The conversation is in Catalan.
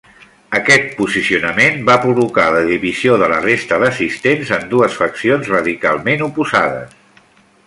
Aquest posicionament va provocar la divisió de la resta d'assistents en dues faccions radicalment oposades.